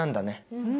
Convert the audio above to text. うん。